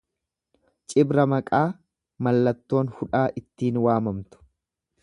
Cibra maqaa mallattoon hudhaa ittiin waamamtu.